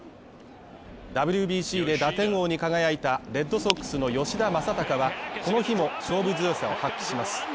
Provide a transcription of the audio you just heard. ＷＢＣで打点王に輝いたレッドソックスの吉田正尚はこの日も勝負強さを発揮します。